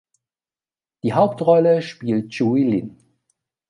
Die Hauptrolle spielt Cui Lin.